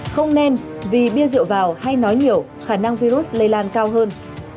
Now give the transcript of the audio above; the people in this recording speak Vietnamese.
không nên vì bia rượu vào hay nói nhiều khả năng virus lây lan cao hơn